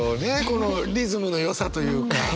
このリズムのよさというか。